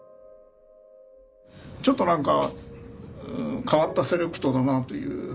ちょっと何か変わったセレクトだなという。